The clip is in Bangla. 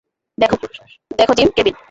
দেখ জিম, কেভিন।